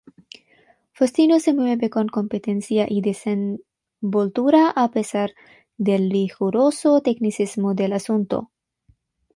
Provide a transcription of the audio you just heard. Faustino se mueve con competencia y desenvoltura a pesar del riguroso tecnicismo del asunto.